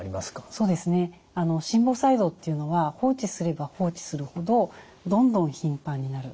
そうですね心房細動っていうのは放置すれば放置するほどどんどん頻繁になる。